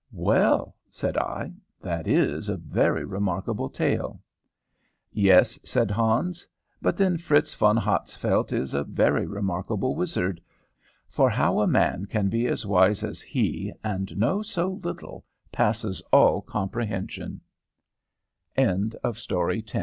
"Well," said I, "that is a very remarkable tale." "Yes," said Hans, "but then Fritz von Hatzfeldt is a very remarkable wizard, for how a man can be as wise as he and know so little passes all com